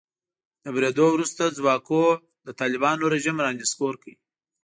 د بریدونو وروسته ځواکونو د طالبانو رژیم را نسکور کړ.